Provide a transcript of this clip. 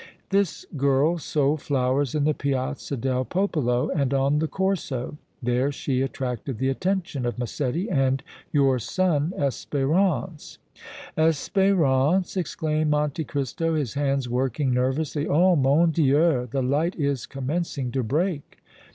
"This girl sold flowers in the Piazza del Popolo and on the Corso; there she attracted the attention of Massetti and your son Espérance." "Espérance!" exclaimed Monte Cristo, his hands working nervously. "Oh! mon Dieu! the light is commencing to break!"